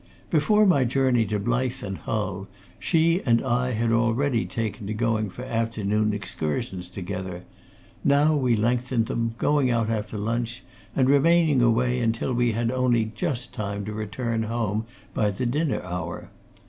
Before my journey to Blyth and Hull, she and I had already taken to going for afternoon excursions together; now we lengthened them, going out after lunch and remaining away until we had only just time to return home by the dinner hour.